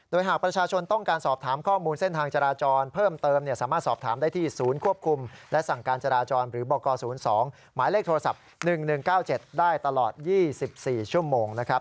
โดยหากประชาชนต้องการสอบถามข้อมูลเส้นทางจราจรเพิ่มเติมสามารถสอบถามได้ที่ศูนย์ควบคุมและสั่งการจราจรหรือบก๐๒หมายเลขโทรศัพท์๑๑๙๗ได้ตลอด๒๔ชั่วโมงนะครับ